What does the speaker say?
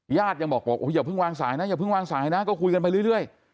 ยังบอกบอกอย่าเพิ่งวางสายนะอย่าเพิ่งวางสายนะก็คุยกันไปเรื่อย